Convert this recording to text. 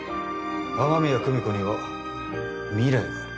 雨宮久美子には未来がある。